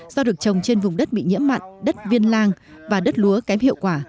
do được trồng trên vùng đất bị nhiễm mặn đất viên lang và đất lúa kém hiệu quả